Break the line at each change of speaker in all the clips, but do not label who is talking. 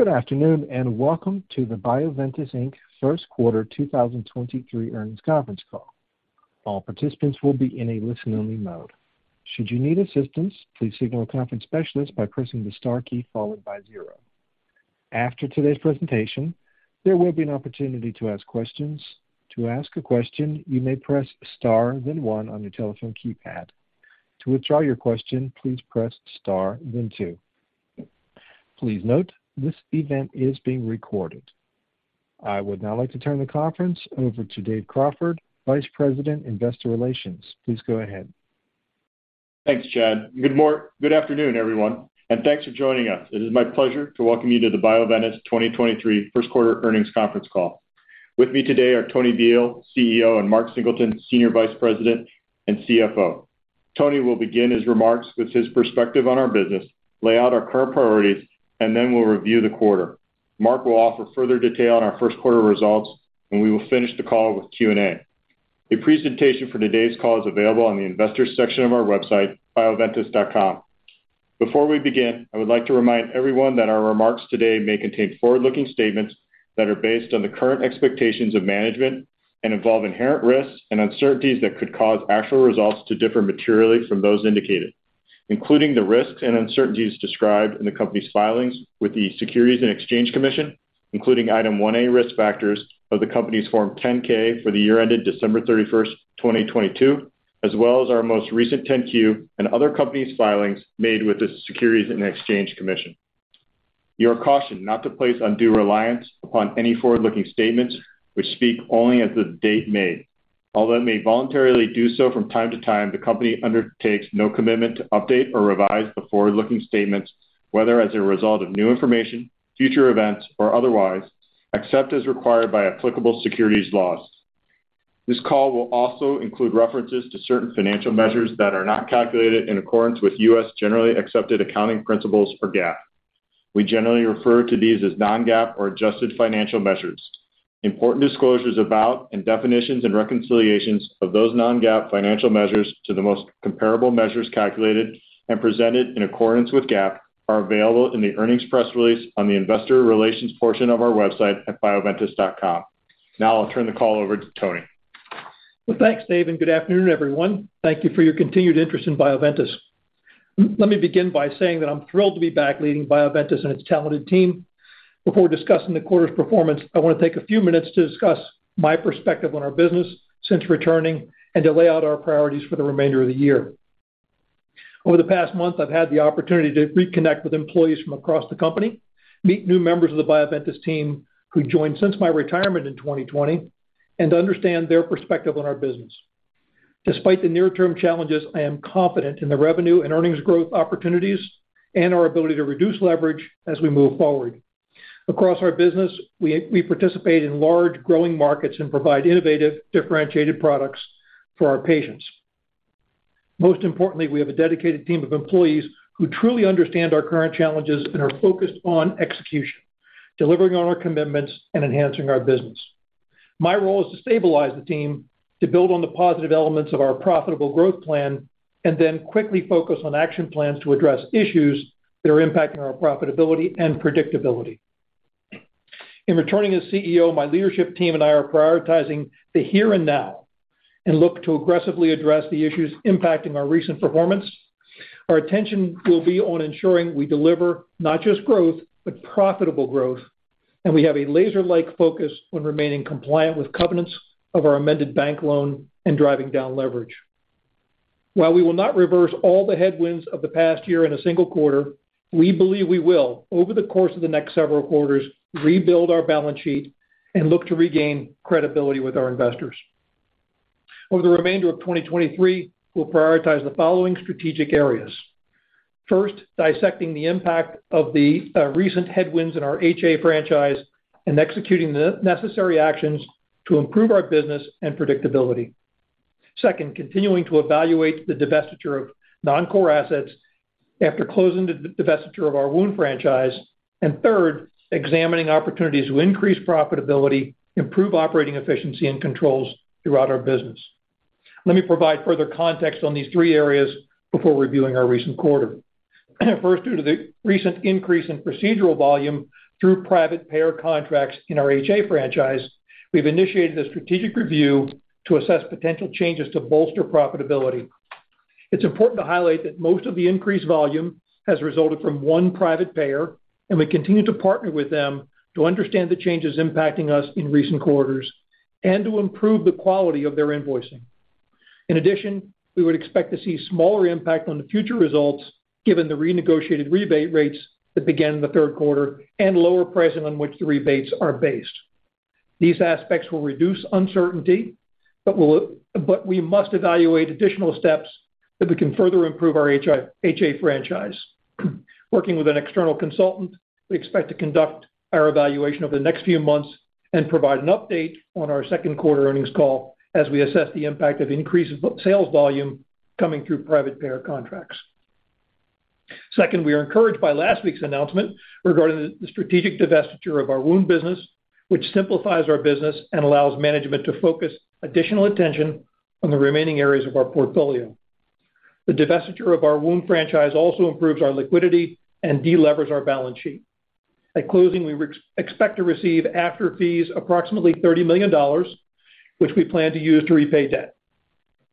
Good afternoon. Welcome to the Bioventus Inc. Q1 2023 earnings conference call. All participants will be in a listen-only mode. Should you need assistance, please signal a conference specialist by pressing the star key followed by zero. After today's presentation, there will be an opportunity to ask questions. To ask a question, you may press star then one on your telephone keypad. To withdraw your question, please press star then two. Please note, this event is being recorded. I would now like to turn the conference over to Dave Crawford, Vice President, Investor Relations. Please go ahead.
Thanks, Chad. Good afternoon, everyone, and thanks for joining us. It is my pleasure to welcome you to the Bioventus 2023 Q1 earnings conference call. With me today are Tony Bihl, CEO, and Mark Singleton, Senior Vice President and CFO. Tony will begin his remarks with his perspective on our business, lay out our current priorities, then we'll review the quarter. Mark will offer further detail on our Q1 results, we will finish the call with Q&A. A presentation for today's call is available on the investor section of our website, bioventus.com. Before we begin, I would like to remind everyone that our remarks today may contain forward-looking statements that are based on the current expectations of management and involve inherent risks and uncertainties that could cause actual results to differ materially from those indicated, including the risks and uncertainties described in the company's filings with the Securities and Exchange Commission, including item 1A, Risk Factors of the company's form 10-K for the year-ended December 31st, 2022, as well as our most recent 10-Q and other company's filings made with the Securities and Exchange Commission. You are cautioned not to place undue reliance upon any forward-looking statements which speak only as the date made. Although may voluntarily do so from time to time, the company undertakes no commitment to update or revise the forward-looking statements, whether as a result of new information, future events, or otherwise, except as required by applicable securities laws. This call will also include references to certain financial measures that are not calculated in accordance with U.S. generally accepted accounting principles for GAAP. We generally refer to these as non-GAAP or adjusted financial measures. Important disclosures about and definitions and reconciliations of those non-GAAP financial measures to the most comparable measures calculated and presented in accordance with GAAP are available in the earnings press release on the investor relations portion of our website at bioventus.com. Now I'll turn the call over to Tony.
Well, thanks, Dave, good afternoon, everyone. Thank you for your continued interest in Bioventus. Let me begin by saying that I'm thrilled to be back leading Bioventus and its talented team. Before discussing the quarter's performance, I wanna take a few minutes to discuss my perspective on our business since returning and to lay out our priorities for the remainder of the year. Over the past month, I've had the opportunity to reconnect with employees from across the company, meet new members of the Bioventus team who joined since my retirement in 2020, and to understand their perspective on our business. Despite the near-term challenges, I am confident in the revenue and earnings growth opportunities and our ability to reduce leverage as we move forward. Across our business, we participate in large growing markets and provide innovative, differentiated products for our patients. Most importantly, we have a dedicated team of employees who truly understand our current challenges and are focused on execution, delivering on our commitments, and enhancing our business. My role is to stabilize the team, to build on the positive elements of our profitable growth plan, and then quickly focus on action plans to address issues that are impacting our profitability and predictability. In returning as CEO, my leadership team and I are prioritizing the here and now and look to aggressively address the issues impacting our recent performance. Our attention will be on ensuring we deliver not just growth, but profitable growth, and we have a laser-like focus on remaining compliant with covenants of our amended bank loan and driving down leverage. While we will not reverse all the headwinds of the past year in a single quarter, we believe we will, over the course of the next several quarters, rebuild our balance sheet and look to regain credibility with our investors. Over the remainder of 2023, we'll prioritize the following strategic areas. First, dissecting the impact of the recent headwinds in our HA franchise and executing the necessary actions to improve our business and predictability. Second, continuing to evaluate the divestiture of non-core assets after closing the divestiture of our wound franchise. Third, examining opportunities to increase profitability, improve operating efficiency and controls throughout our business. Let me provide further context on these three areas before reviewing our recent quarter. First, due to the recent increase in procedural volume through private payer contracts in our HA franchise, we've initiated a strategic review to assess potential changes to bolster profitability. It's important to highlight that most of the increased volume has resulted from one private payer, and we continue to partner with them to understand the changes impacting us in recent quarters and to improve the quality of their invoicing. In addition, we would expect to see smaller impact on the future results given the renegotiated rebate rates that began in the Q3 and lower pricing on which the rebates are based. These aspects will reduce uncertainty, but we must evaluate additional steps that we can further improve our HA franchise. Working with an external consultant, we expect to conduct our evaluation over the next few months and provide an update on our Q2 earnings call as we assess the impact of increased sales volume coming through private payer contracts. Second, we are encouraged by last week's announcement regarding the strategic divestiture of our wound business, which simplifies our business and allows management to focus additional attention on the remaining areas of our portfolio. The divestiture of our wound franchise also improves our liquidity and delevers our balance sheet. At closing, we expect to receive, after fees, approximately $30 million, which we plan to use to repay debt.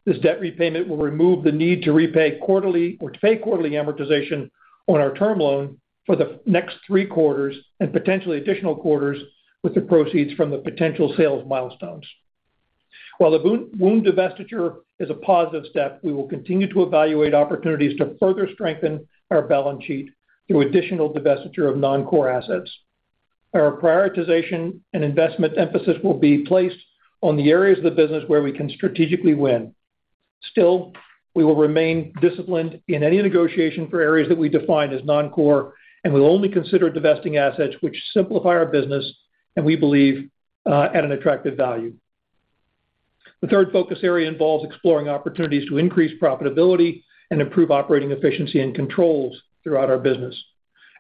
This debt repayment will remove the need to pay quarterly amortization on our term loan for the next three quarters and potentially additional quarters with the proceeds from the potential sales milestones. While the boo-wound divestiture is a positive step, we will continue to evaluate opportunities to further strengthen our balance sheet through additional divestiture of non-core assets. Our prioritization and investment emphasis will be placed on the areas of the business where we can strategically win. We will remain disciplined in any negotiation for areas that we define as non-core, and we'll only consider divesting assets which simplify our business and we believe at an attractive value. The third focus area involves exploring opportunities to increase profitability and improve operating efficiency and controls throughout our business.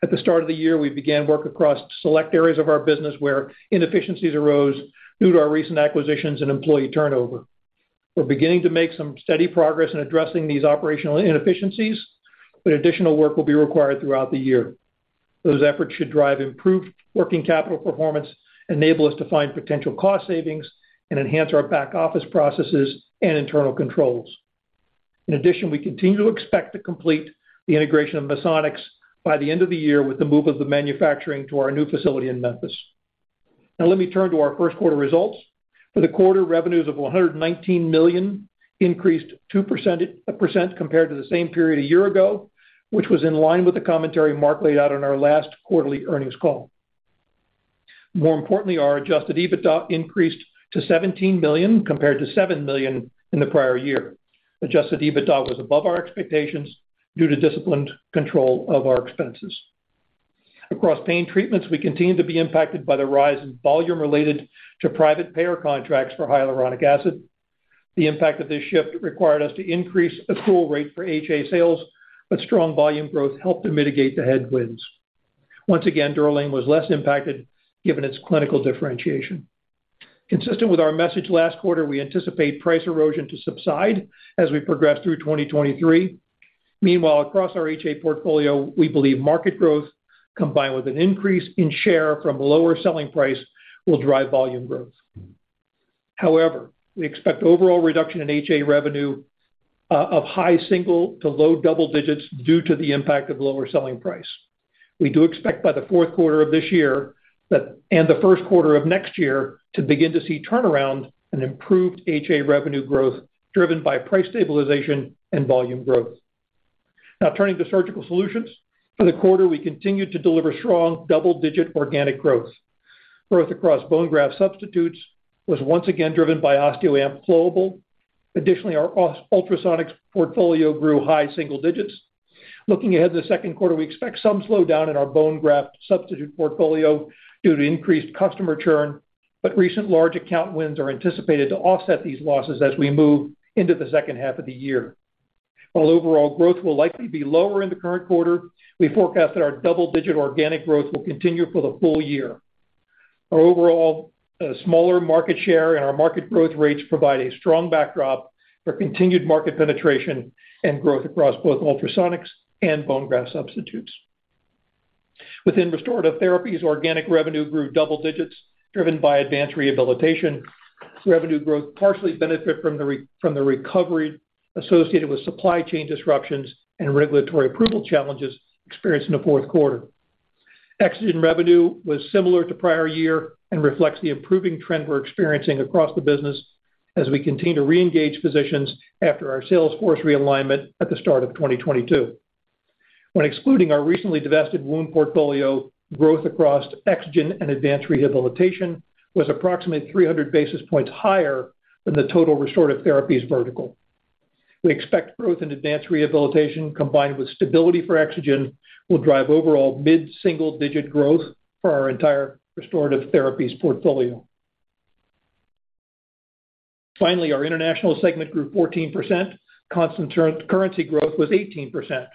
At the start of the year, we began work across select areas of our business where inefficiencies arose due to our recent acquisitions and employee turnover. We're beginning to make some steady progress in addressing these operational inefficiencies, but additional work will be required throughout the year. Those efforts should drive improved working capital performance, enable us to find potential cost savings, and enhance our back-office processes and internal controls. We continue to expect to complete the integration of Misonix by the end of the year with the move of the manufacturing to our new facility in Memphis. Let me turn to our Q1 results. For the quarter, revenues of $119 million increased 2% compared to the same period a year ago, which was in line with the commentary Mark laid out on our last quarterly earnings call. More importantly, our adjusted EBITDA increased to $17 million compared to $7 million in the prior year. Adjusted EBITDA was above our expectations due to disciplined control of our expenses. Across Pain Treatments, we continue to be impacted by the rise in volume related to private payer contracts for hyaluronic acid. The impact of this shift required us to increase a tool rate for HA sales, but strong volume growth helped to mitigate the headwinds. Once again, DUROLANE was less impacted given its clinical differentiation. Consistent with our message last quarter, we anticipate price erosion to subside as we progress through 2023. Meanwhile, across our HA portfolio, we believe market growth, combined with an increase in share from lower selling price, will drive volume growth. We expect overall reduction in HA revenue of high single- to low double-digits due to the impact of lower selling price. We do expect by the Q4 of this year and the Q1 of next year to begin to see turnaround and improved HA revenue growth driven by price stabilization and volume growth. Now turning to Surgical Solutions. For the quarter, we continued to deliver strong double-digit organic growth. Growth across bone graft substitutes was once again driven by OSTEOAMP Flowable. Additionally, our Ultrasonics portfolio grew high single digits. Looking ahead to the Q2, we expect some slowdown in our bone graft substitute portfolio due to increased customer churn. Recent large account wins are anticipated to offset these losses as we move into the second half of the year. While overall growth will likely be lower in the current quarter, we forecast that our double-digit organic growth will continue for the full year. Our overall smaller market share and our market growth rates provide a strong backdrop for continued market penetration and growth across both Ultrasonics and bone graft substitutes. Within Restorative Therapies, organic revenue grew double-digits, driven by Advanced Rehabilitation. Revenue growth partially benefit from the recovery associated with supply chain disruptions and regulatory approval challenges experienced in the Q4. EXOGEN revenue was similar to prior year and reflects the improving trend we're experiencing across the business as we continue to reengage physicians after our sales force realignment at the start of 2022. When excluding our recently divested wound portfolio, growth across EXOGEN and Advanced Rehabilitation was approximately 300 basis points higher than the total Restorative Therapies vertical. We expect growth in Advanced Rehabilitation combined with stability for EXOGEN will drive overall mid-single-digit growth for our entire Restorative Therapies portfolio. Our international segment grew 14%. Constant currency growth was 18%.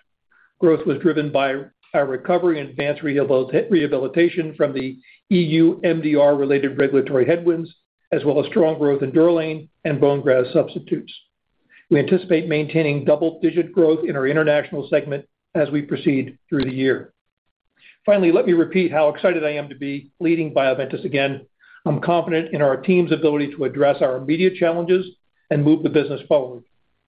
Growth was driven by our recovery in Advanced Rehabilitation from the EU MDR-related regulatory headwinds as well as strong growth in DUROLANE and bone graft substitutes. We anticipate maintaining double-digit growth in our international segment as we proceed through the year. Let me repeat how excited I am to be leading Bioventus again. I'm confident in our team's ability to address our immediate challenges and move the business forward.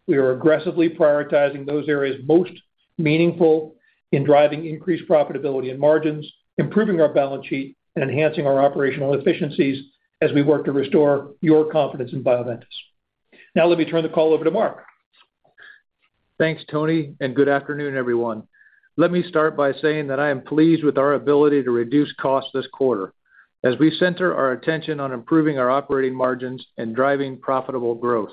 We are aggressively prioritizing those areas most meaningful in driving increased profitability and margins, improving our balance sheet, and enhancing our operational efficiencies as we work to restore your confidence in Bioventus. Now let me turn the call over to Mark.
Thanks, Tony. Good afternoon, everyone. Let me start by saying that I am pleased with our ability to reduce costs this quarter as we center our attention on improving our operating margins and driving profitable growth.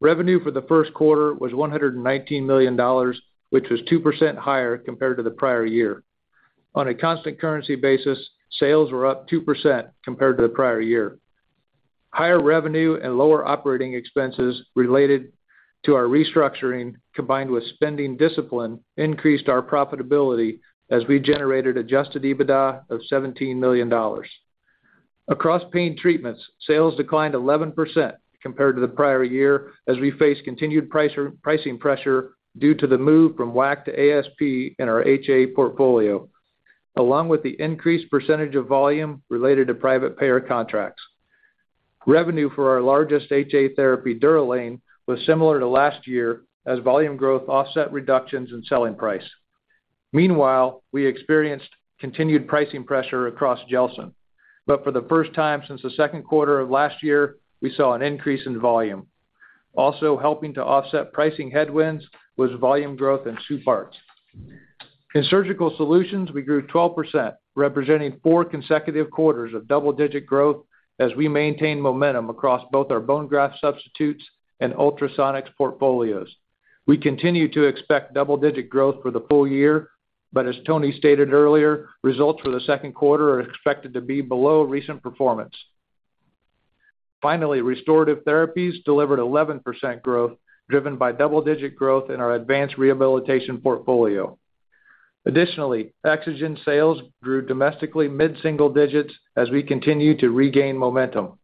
Revenue for the Q1 was $119 million, which was 2% higher compared to the prior year. On a constant currency basis, sales were up 2% compared to the prior year. Higher revenue and lower operating expenses related to our restructuring, combined with spending discipline, increased our profitability as we generated adjusted EBITDA of $17 million. Across Pain Treatments, sales declined 11% compared to the prior year as we face continued pricing pressure due to the move from WAC to ASP in our HA portfolio, along with the increased percentage of volume related to private payer contracts. Revenue for our largest HA therapy, DUROLANE, was similar to last year as volume growth offset reductions in selling price. Meanwhile, we experienced continued pricing pressure across GELSYN-3, but for the first time since the Q2 of last year, we saw an increase in volume. Helping to offset pricing headwinds was volume growth in SUPARTZ FX. In Surgical Solutions, we grew 12%, representing four consecutive quarters of double-digit growth as we maintain momentum across both our bone graft substitutes and Ultrasonics portfolios. We continue to expect double-digit growth for the full year, but as Tony stated earlier, results for the Q2 are expected to be below recent performance. Finally, Restorative Therapies delivered 11% growth, driven by double-digit growth in our Advanced Rehabilitation portfolio. Additionally, EXOGEN sales grew domestically mid-single digits as we continue to regain momentum.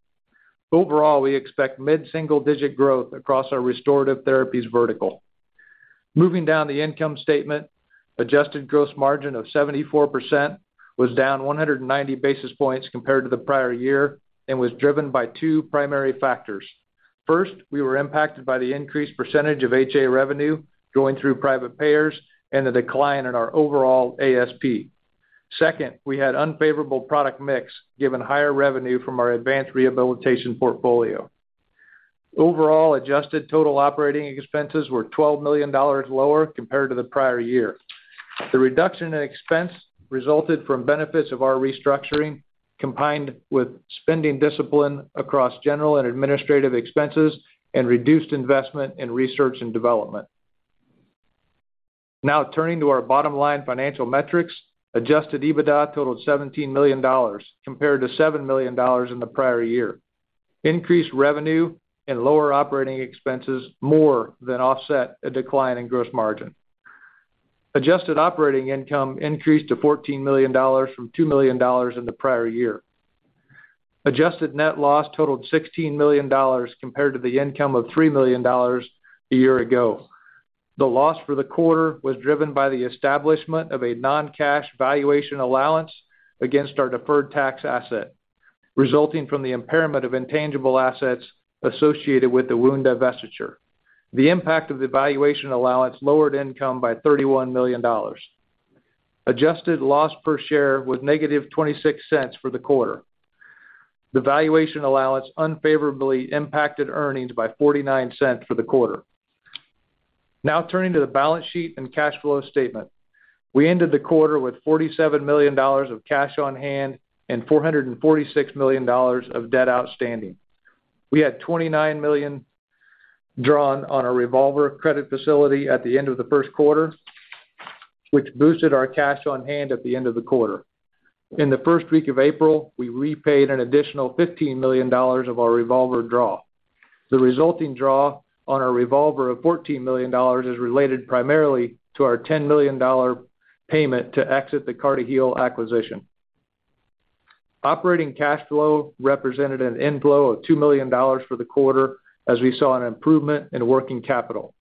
Overall, we expect mid-single-digit growth across our Restorative Therapies vertical. Moving down the income statement, adjusted gross margin of 74% was down 190 basis points compared to the prior year and was driven by two primary factors. First, we were impacted by the increased percentage of HA revenue going through private payers and the decline in our overall ASP. Second, we had unfavorable product mix given higher revenue from our Advanced Rehabilitation portfolio. Overall, adjusted total operating expenses were $12 million lower compared to the prior year. The reduction in expense resulted from benefits of our restructuring, combined with spending discipline across general and administrative expenses and reduced investment in research and development. Turning to our bottom-line financial metrics. Adjusted EBITDA totaled $17 million compared to $7 million in the prior year. Increased revenue and lower operating expenses more than offset a decline in gross margin. Adjusted Operating Income increased to $14 million from $2 million in the prior year. Adjusted net loss totaled $16 million compared to the income of $3 million a year ago. The loss for the quarter was driven by the establishment of a non-cash valuation allowance against our deferred tax asset, resulting from the impairment of intangible assets associated with the wound divestiture. The impact of the valuation allowance lowered income by $31 million. Adjusted loss per share was -$0.26 for the quarter. The valuation allowance unfavorably impacted earnings by $0.49 for the quarter. Now turning to the balance sheet and cash flow statement. We ended the quarter with $47 million of cash on hand and $446 million of debt outstanding. We had $29 million drawn on a revolving credit facility at the end of the Q1, which boosted our cash on hand at the end of the quarter. In the first week of April, we repaid an additional $15 million of our revolver draw. The resulting draw on our revolver of $14 million is related primarily to our $10 million payment to exit the CartiHeal acquisition. Operating Cash fFow represented an inflow of $2 million for the quarter as we saw an improvement in working capital.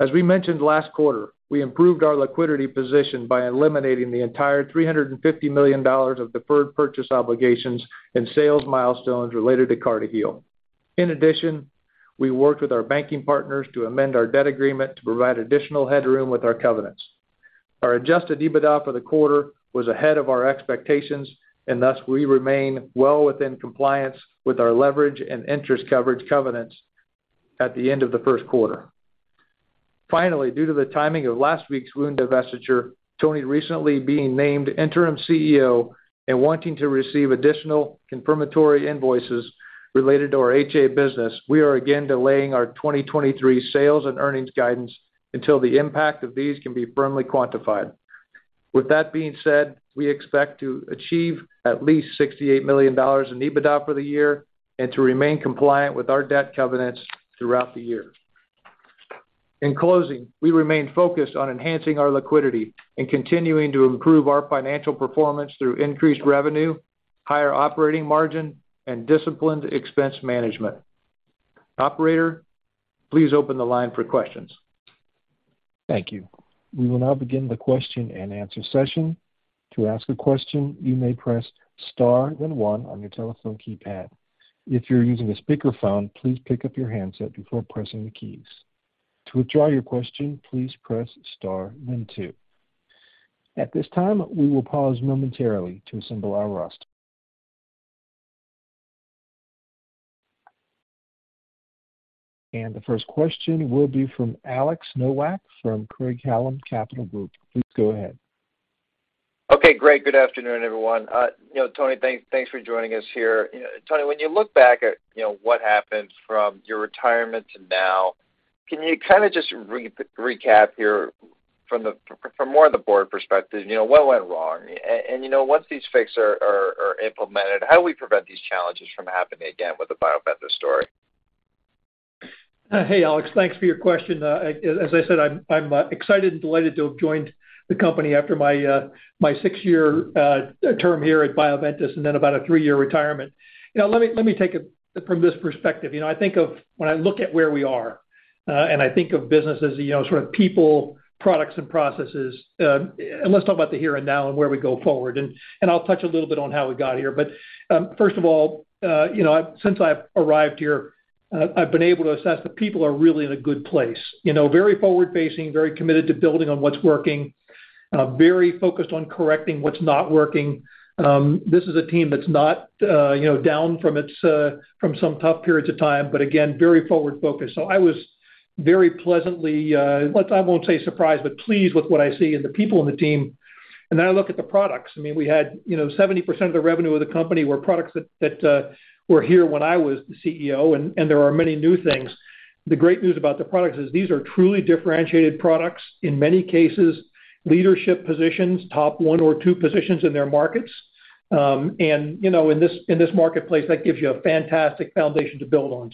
As we mentioned last quarter, we improved our liquidity position by eliminating the entire $350 million of deferred purchase obligations and sales milestones related to CartiHeal. In addition, we worked with our banking partners to amend our debt agreement to provide additional headroom with our covenants. Our adjusted EBITDA for the quarter was ahead of our expectations. Thus, we remain well within compliance with our leverage and interest coverage covenants at the end of the Q1. Finally, due to the timing of last week's wound divestiture, Tony recently being named interim CEO and wanting to receive additional confirmatory invoices related to our HA business, we are again delaying our 2023 sales and earnings guidance until the impact of these can be firmly quantified. With that being said, we expect to achieve at least $68 million in EBITDA for the year and to remain compliant with our debt covenants throughout the year. In closing, we remain focused on enhancing our liquidity and continuing to improve our financial performance through increased revenue, higher operating margin, and disciplined expense management. Operator, please open the line for questions.
Thank you. We will now begin the question-and-answer session. To ask a question, you may press star then one on your telephone keypad. If you're using a speakerphone, please pick up your handset before pressing the keys. To withdraw your question, please press star then two. At this time, we will pause momentarily to assemble our roster. The first question will be from Alex Nowak from Craig-Hallum Capital Group. Please go ahead.
Okay, great. Good afternoon, everyone. you know, Tony, thanks for joining us here. You know, Tony, when you look back at, you know, what happened from your retirement to now, can you kind of just recap here from the, from more of the board perspective, you know, what went wrong? You know, once these fix are implemented, how do we prevent these challenges from happening again with the Bioventus story?
Hey, Alex, thanks for your question. As I said, I'm excited and delighted to have joined the company after my six-year term here at Bioventus and then about a three-year retirement. You know, let me take it from this perspective. You know, I think of when I look at where we are, and I think of business as, you know, sort of people, products, and processes. Let's talk about the here and now and where we go forward. I'll touch a little bit on how we got here. First of all, you know, since I've arrived here, I've been able to assess the people are really in a good place. You know, very forward-facing, very committed to building on what's working, very focused on correcting what's not working. This is a team that's not, you know, down from its, from some tough periods of time, but again, very forward-focused. I was very pleasantly, well, I won't say surprised, but pleased with what I see in the people in the team. I look at the products. I mean, we had, you know, 70% of the revenue of the company were products that were here when I was the CEO, and there are many new things. The great news about the products is these are truly differentiated products, in many cases, leadership positions, top one or two positions in their markets. You know, in this, in this marketplace, that gives you a fantastic foundation to build on.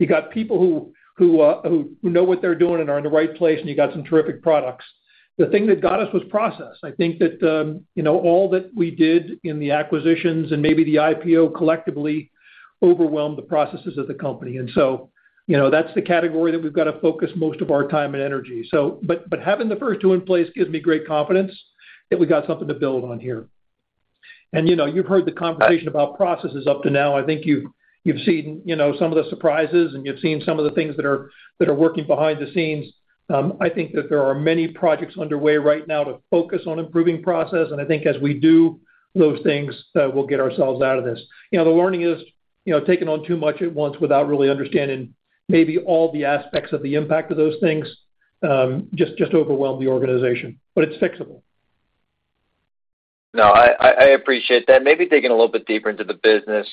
You got people who know what they're doing and are in the right place, and you got some terrific products. The thing that got us was process. I think that, you know, all that we did in the acquisitions and maybe the IPO collectively overwhelmed the processes of the company. You know, that's the category that we've got to focus most of our time and energy. But having the first two in place gives me great confidence that we got something to build on here. You know, you've heard the conversation about processes up to now. I think you've seen, you know, some of the surprises, and you've seen some of the things that are working behind the scenes. I think that there are many projects underway right now to focus on improving process. I think as we do those things, we'll get ourselves out of this. You know, the learning is, you know, taking on too much at once without really understanding maybe all the aspects of the impact of those things, just overwhelmed the organization. It's fixable.
No, I appreciate that. Maybe digging a little bit deeper into the business.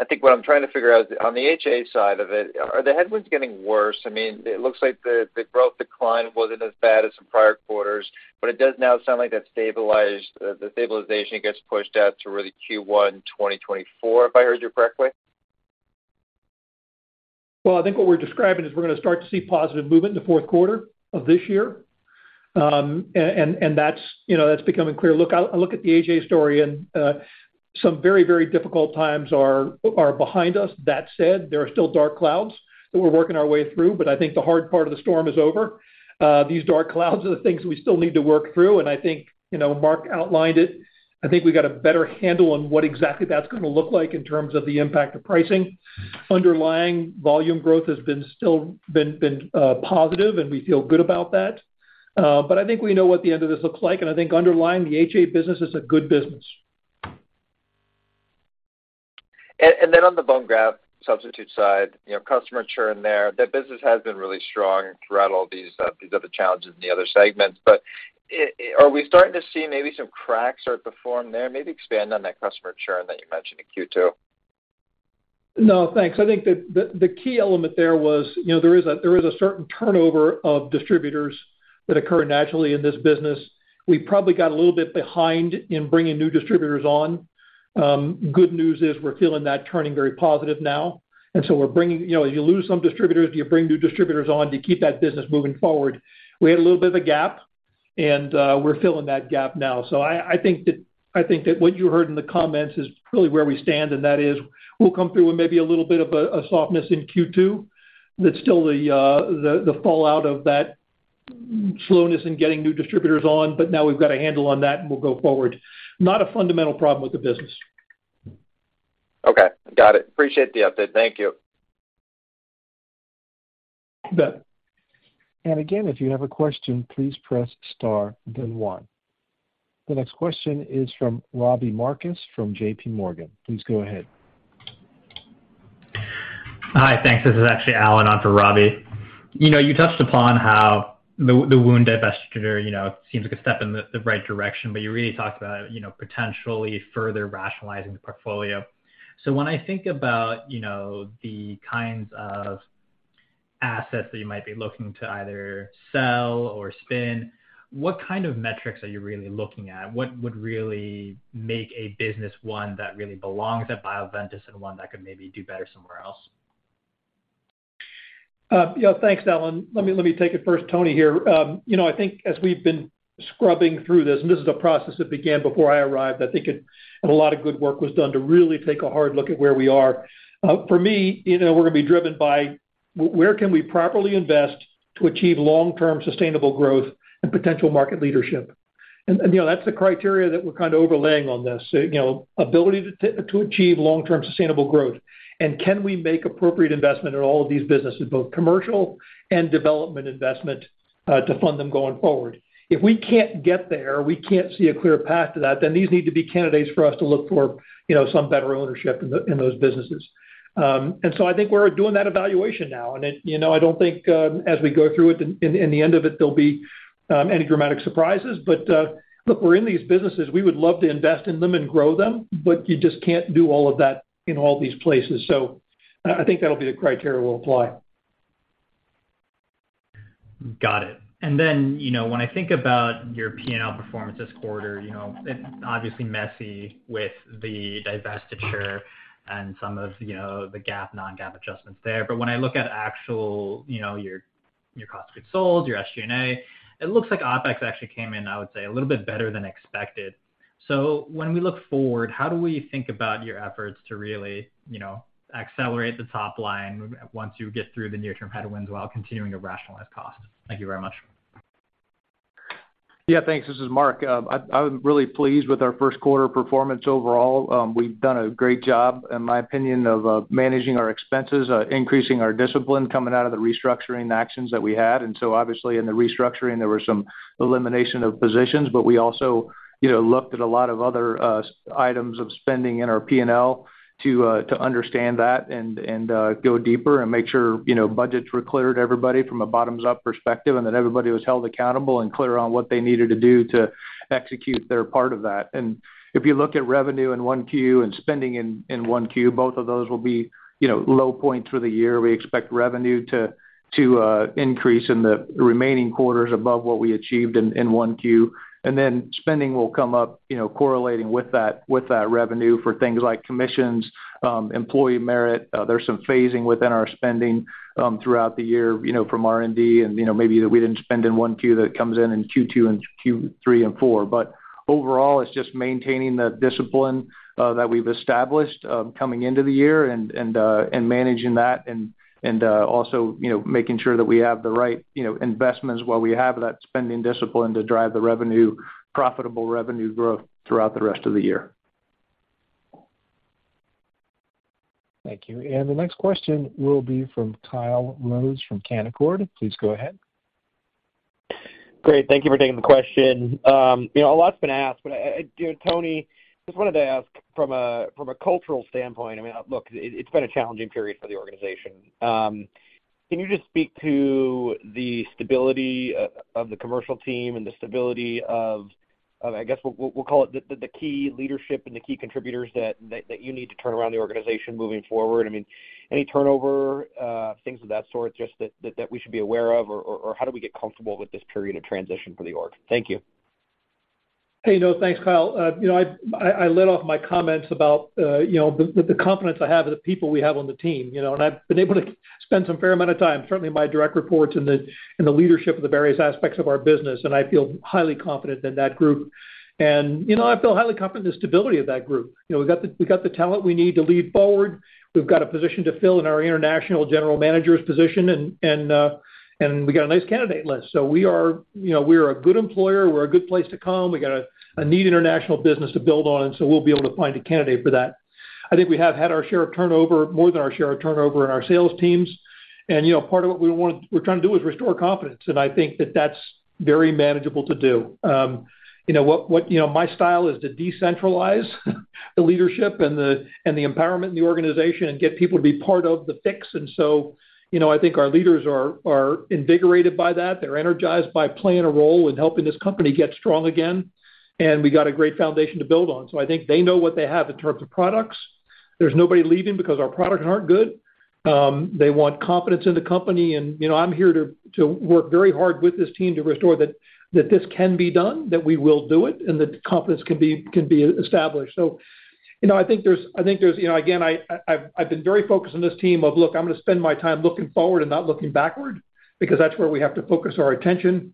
I think what I'm trying to figure out on the HA side of it, are the headwinds getting worse? I mean, it looks like the growth decline wasn't as bad as the prior quarters, but it does now sound like the stabilization gets pushed out to really Q1 2024, if I heard you correctly.
Well, I think what we're describing is we're going to start to see positive movement in the Q4 of this year. That's, you know, that's becoming clear. Look, I look at the HA story, some very, very difficult times are behind us. That said, there are still dark clouds that we're working our way through, but I think the hard part of the storm is over. These dark clouds are the things we still need to work through, I think, you know, Mark outlined it. I think we got a better handle on what exactly that's going to look like in terms of the impact of pricing. Underlying volume growth has been still been positive, we feel good about that. I think we know what the end of this looks like, and I think underlying the HA business is a good business.
On the bone graft substitute side, you know, customer churn there, that business has been really strong throughout all these other challenges in the other segments. Are we starting to see maybe some cracks start to form there? Maybe expand on that customer churn that you mentioned in Q2.
No, thanks. I think the key element there was, you know, there is a certain turnover of distributors that occur naturally in this business. We probably got a little bit behind in bringing new distributors on. Good news is we're feeling that turning very positive now. We're bringing, you know, you lose some distributors, you bring new distributors on to keep that business moving forward. We had a little bit of a gap, and we're filling that gap now. I think that what you heard in the comments is really where we stand, and that is we'll come through with maybe a little bit of a softness in Q2. That's still the fallout of that slowness in getting new distributors on. Now we've got a handle on that, and we'll go forward. Not a fundamental problem with the business.
Okay, got it. Appreciate the update. Thank you.
You bet.
Again, if you have a question, please press star then one. The next question is from Robbie Marcus from JPMorgan. Please go ahead.
Hi, thanks. This is actually Alan on for Robbie. You know, you touched upon how the wound divestiture, you know, seems like a step in the right direction, but you really talked about, you know, potentially further rationalizing the portfolio. When I think about, you know, the kinds of assets that you might be looking to either sell or spin, what kind of metrics are you really looking at? What would really make a business one that really belongs at Bioventus and one that could maybe do better somewhere else?
Yeah, thanks, Alan. Let me take it first. Tony here. You know, I think as we've been scrubbing through this, and this is a process that began before I arrived, a lot of good work was done to really take a hard look at where we are. For me, you know, we're going to be driven by where can we properly invest to achieve long-term sustainable growth and potential market leadership? You know, that's the criteria that we're kind of overlaying on this. You know, ability to achieve long-term sustainable growth. Can we make appropriate investment in all of these businesses, both commercial and development investment, to fund them going forward? If we can't get there, we can't see a clear path to that, then these need to be candidates for us to look for, you know, some better ownership in those businesses. I think we're doing that evaluation now. You know, I don't think, as we go through it, in the end of it, there'll be any dramatic surprises. Look, we're in these businesses. We would love to invest in them and grow them, but you just can't do all of that in all these places. I think that'll be the criteria we'll apply.
Got it. Then, you know, when I think about your P&L performance this quarter, you know, it's obviously messy with the divestiture and some of, you know, the GAAP, non-GAAP adjustments there. When I look at actual, you know, your cost of goods sold, your SG&A, it looks like OpEx actually came in, I would say, a little bit better than expected. When we look forward, how do we think about your efforts to really, you know, accelerate the top line once you get through the near-term headwinds while continuing to rationalize costs? Thank you very much.
Yeah, thanks. This is Mark. I'm really pleased with our Q1 performance overall. We've done a great job, in my opinion, of managing our expenses, increasing our discipline coming out of the restructuring actions that we had. Obviously, in the restructuring, there were some elimination of positions. We also, you know, looked at a lot of other items of spending in our P&L to understand that and go deeper and make sure, you know, budgets were clear to everybody from a bottoms-up perspective, and that everybody was held accountable and clear on what they needed to do to execute their part of that. If you look at revenue in Q1 and spending in Q1, both of those will be, you know, low points for the year. We expect revenue to increase in the remaining quarters above what we achieved in Q1. Then spending will come up, you know, correlating with that, with that revenue for things like commissions, employee merit. There's some phasing within our spending throughout the year, you know, from R&D and, you know, maybe that we didn't spend in Q1 that comes in in Q2 and Q3 and Q4. Overall, it's just maintaining the discipline that we've established coming into the year and managing that and also, you know, making sure that we have the right, you know, investments while we have that spending discipline to drive the revenue, profitable revenue growth throughout the rest of the year.
Thank you. The next question will be from Kyle Rose from Canaccord. Please go ahead.
Great. Thank you for taking the question. You know, a lot's been asked, but Tony, just wanted to ask from a cultural standpoint, I mean, look, it's been a challenging period for the organization. Can you just speak to the stability of the commercial team and the stability of, I guess, we'll call it the key leadership and the key contributors that you need to turn around the organization moving forward? I mean, any turnover, things of that sort, just that we should be aware of, or how do we get comfortable with this period of transition for the org? Thank you.
Hey, no, thanks, Kyle. You know, I led off my comments about, you know, the confidence I have in the people we have on the team, you know. I've been able to spend some fair amount of time, certainly my direct reports in the, in the leadership of the various aspects of our business, and I feel highly confident in that group. You know, I feel highly confident in the stability of that group. You know, we got the, we got the talent we need to lead forward. We've got a position to fill in our international general manager's position and we got a nice candidate list. We are, you know, we're a good employer. We're a good place to come. We got a neat international business to build on, we'll be able to find a candidate for that. I think we have had our share of turnover, more than our share of turnover in our sales teams. You know, part of what we're trying to do is restore confidence, and I think that that's very manageable to do. You know, my style is to decentralize the leadership and the empowerment in the organization and get people to be part of the fix. You know, I think our leaders are invigorated by that. They're energized by playing a role in helping this company get strong again. We got a great foundation to build on. I think they know what they have in terms of products. There's nobody leaving because our products aren't good. They want confidence in the company, and, you know, I'm here to work very hard with this team to restore that this can be done, that we will do it, and that confidence can be established. You know, I think there's. You know, again, I've been very focused on this team of, look, I'm gonna spend my time looking forward and not looking backward because that's where we have to focus our attention,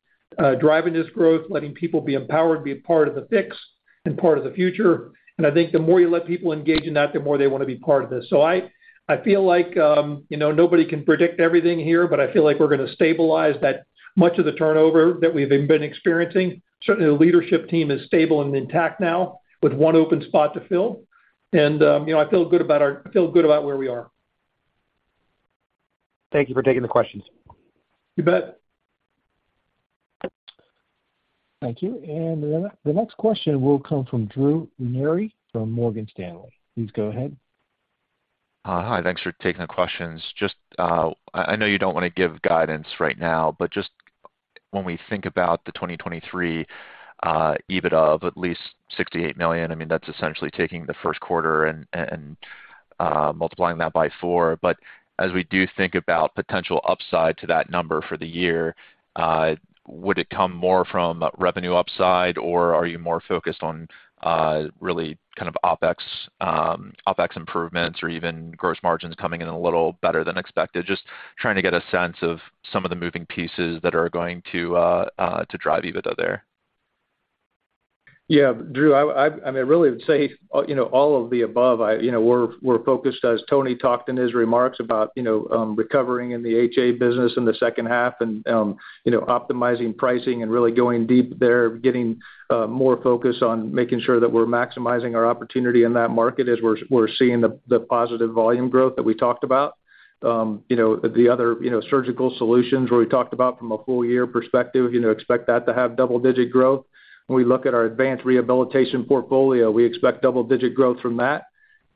driving this growth, letting people be empowered, be a part of the fix and part of the future. I think the more you let people engage in that, the more they wanna be part of this. I feel like, you know, nobody can predict everything here, but I feel like we're gonna stabilize that much of the turnover that we've been experiencing. Certainly, the leadership team is stable and intact now with one open spot to fill. You know, I feel good about where we are.
Thank you for taking the questions.
You bet.
Thank you. The next question will come from Drew Ranieri from Morgan Stanley. Please go ahead.
Hi, thanks for taking the questions. Just, I know you don't wanna give guidance right now, but just when we think about the 2023 EBIT of at least $68 million, I mean, that's essentially taking the Q1 and multiplying that by 4. As we do think about potential upside to that number for the year, would it come more from revenue upside, or are you more focused on really kind of OpEx improvements or even gross margins coming in a little better than expected? Just trying to get a sense of some of the moving pieces that are going to drive EBITDA up there.
Yeah, Drew, I mean, I really would say, you know, all of the above. You know, we're focused, as Tony talked in his remarks about, you know, recovering in the HA business in the second half and, you know, optimizing pricing and really going deep there, getting more focus on making sure that we're maximizing our opportunity in that market as we're seeing the positive volume growth that we talked about. You know, the other, you know, Surgical Solutions where we talked about from a full year perspective, you know, expect that to have double-digit growth. When we look at our Advanced Rehabilitation portfolio, we expect double-digit growth from that.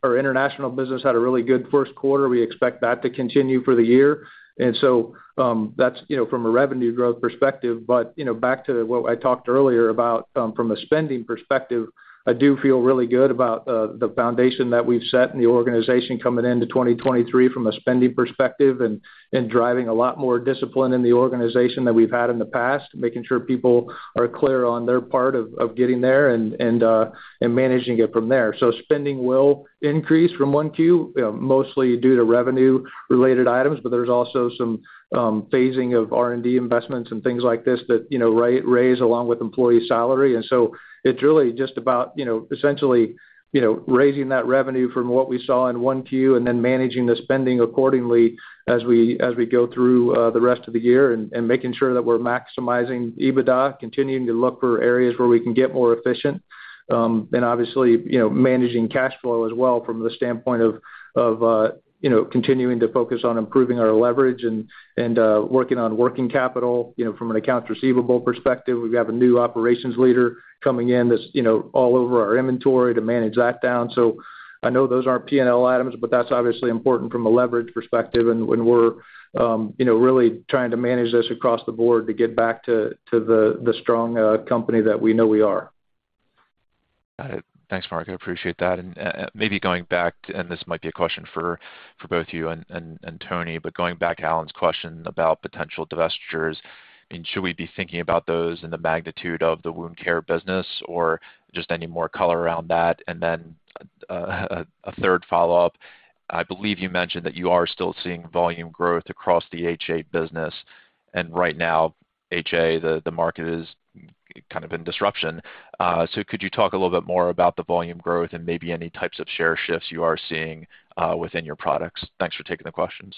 Our international business had a really good Q1. We expect that to continue for the year. That's, you know, from a revenue growth perspective. You know, back to what I talked earlier about from a spending perspective, I do feel really good about the foundation that we've set and the organization coming into 2023 from a spending perspective and driving a lot more discipline in the organization than we've had in the past, making sure people are clear on their part of getting there and managing it from there. Spending will increase from Q1, mostly due to revenue-related items, but there's also some phasing of R&D investments and things like this that, you know, raise along with employee salary. It's really just about, you know, essentially, you know, raising that revenue from what we saw in Q1 and then managing the spending accordingly as we go through the rest of the year and making sure that we're maximizing EBITDA, continuing to look for areas where we can get more efficient, and obviously, you know, managing cash flow as well from the standpoint of, you know, continuing to focus on improving our leverage and working on working capital, you know, from an accounts receivable perspective. We have a new operations leader coming in that's, you know, all over our inventory to manage that down. I know those aren't P&L items, but that's obviously important from a leverage perspective and when we're, you know, really trying to manage this across the board to get back to the strong company that we know we are.
Got it. Thanks, Mark. I appreciate that. Maybe going back, and this might be a question for both you and Tony, but going back to Alan's question about potential divestitures and should we be thinking about those in the magnitude of the wound care business or just any more color around that? A third follow-up. I believe you mentioned that you are still seeing volume growth across the HA business, and right now, HA, the market is kind of in disruption. Could you talk a little bit more about the volume growth and maybe any types of share shifts you are seeing within your products? Thanks for taking the questions.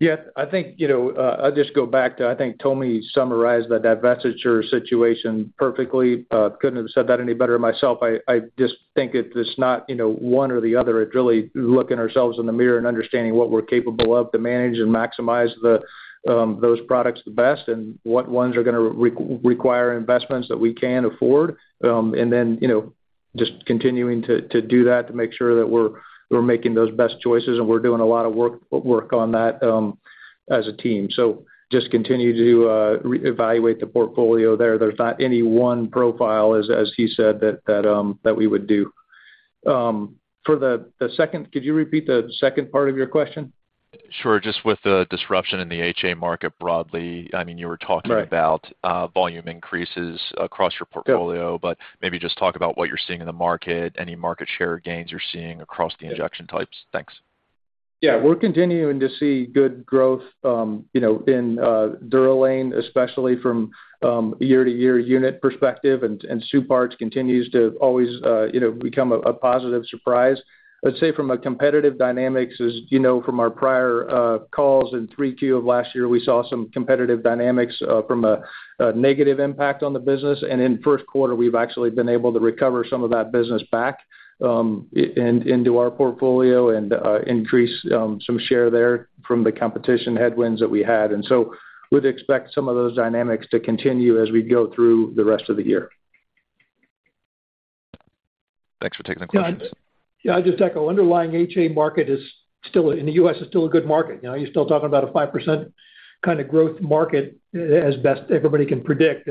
Yeah. I think, you know, I'll just go back to, I think Tony summarized the divestiture situation perfectly. Couldn't have said that any better myself. I just think it's not, you know, one or the other. It's really looking ourselves in the mirror and understanding what we're capable of to manage and maximize those products the best and what ones are gonna require investments that we can afford. Then, you know, just continuing to do that to make sure that we're making those best choices and we're doing a lot of work on that as a team. Just continue to re-evaluate the portfolio there. There's not any one profile as he said that we would do. For the second, could you repeat the second part of your question?
Sure. Just with the disruption in the HA market broadly, I mean, you were talking-
Right.
-about, volume increases across your portfolio.
Yeah.
Maybe just talk about what you're seeing in the market, any market share gains you're seeing across the injection types. Thanks.
Yeah. We're continuing to see good growth, you know, in DUROLANE, especially from year-to-year unit perspective, and Supartz continues to always, you know, become a positive surprise. I'd say from a competitive dynamics, as you know from our prior calls in Q3 of last year, we saw some competitive dynamics from a negative impact on the business. In Q1, we've actually been able to recover some of that business back into our portfolio and increase some share there from the competition headwinds that we had. We'd expect some of those dynamics to continue as we go through the rest of the year.
Thanks for taking the questions.
Yeah. I'll just echo. Underlying HA market is still, in the U.S., is still a good market. You know, you're still talking about a 5% kinda growth market as best everybody can predict.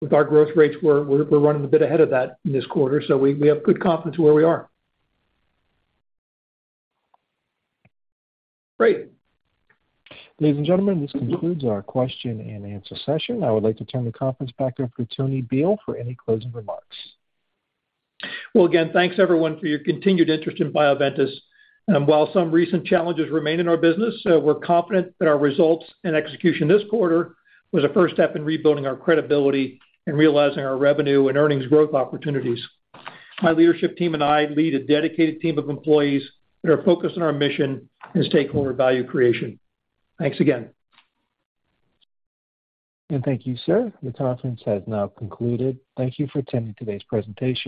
With our growth rates, we're running a bit ahead of that this quarter, so we have good confidence where we are.
Great.
Ladies and gentlemen, this concludes our question and answer session. I would like to turn the conference back over to Tony Bihl for any closing remarks.
Again, thanks everyone for your continued interest in Bioventus. While some recent challenges remain in our business, we're confident that our results and execution this quarter was a first step in rebuilding our credibility and realizing our revenue and earnings growth opportunities. My leadership team and I lead a dedicated team of employees that are focused on our mission and stakeholder value creation. Thanks again.
Thank you, sir. The conference has now concluded. Thank you for attending today's presentation.